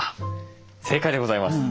正解でございます。